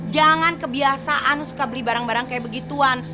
jangan kebiasaan suka beli barang barang kayak begituan